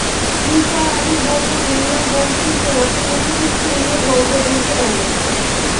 নিসার আলি বললেন, মিয়া বলছিলেন, আপনি নাকি খুব সুন্দর গল্প বলতে পারেন।